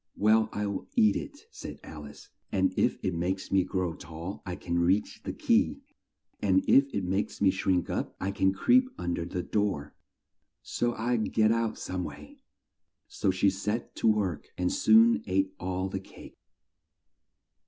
"Well, I'll eat it," said Al ice, "and if it makes me grow tall, I can reach the key, and if it makes me shrink up, I can creep un der the door; so I'll get out some way." So she set to work and soon ate all the cake.